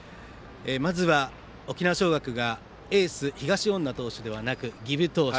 まずは沖縄尚学がエース、東恩納投手ではなく儀部投手。